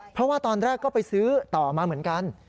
เพราะว่าตอนแรกก็ไปซื้อต่อมาเหมือนกัน